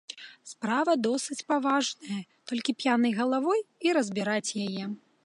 Справа досыць паважная, толькі п'янай галавой і разбіраць яе.